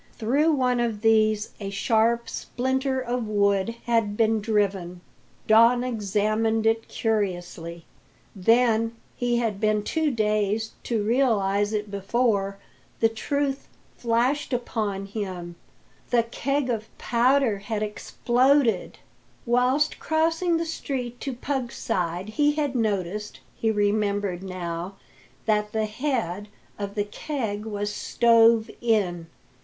Through one of these a sharp splinter of wood had been driven. Don examined it curiously. Then he had been too dazed to realise it before the truth flashed upon him. The keg of powder had exploded! Whilst crossing the street to Pug's side he had noticed, he remembered now, that the head, of the keg was stove in.